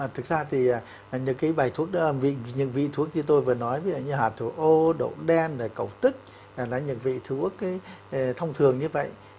thực ra thì những cái bài thuốc những vị thuốc như tôi vừa nói như hạt thủ ô động đen cầu tích là những vị thuốc thông thường như vậy